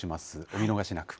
お見逃しなく。